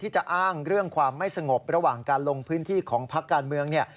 จะอ้างเรื่องความไม่สงบระหว่างการลงพื้นที่ของพักการเมืองเนี่ย